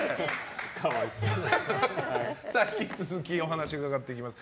引き続きお話を伺っていきます。